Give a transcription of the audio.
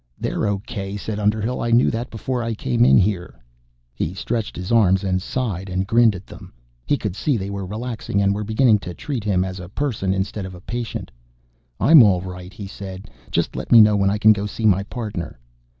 "They're okay," said Underhill. "I knew that before I came in here." He stretched his arms and sighed and grinned at them. He could see they were relaxing and were beginning to treat him as a person instead of a patient. "I'm all right," he said. "Just let me know when I can go see my Partner."